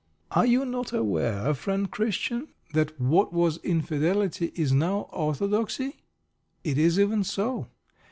Are you not aware, friend Christian, that what was Infidelity is now orthodoxy? It is even so.